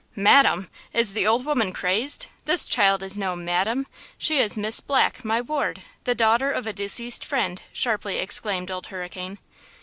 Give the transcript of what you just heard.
"Madam? Is the old woman crazed? This child is no 'madam.' She is Miss Black, my ward, the daughter of a deceased friend," sharply exclaimed Old Hurricane.